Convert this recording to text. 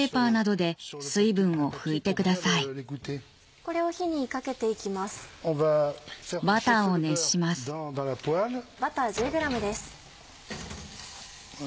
これを火にかけて行きます。